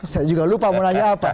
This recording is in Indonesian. saya juga lupa mau nanya apa